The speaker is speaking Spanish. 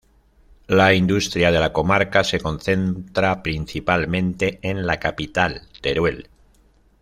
La industria de la comarca se concentra principalmente en la capital, Teruel.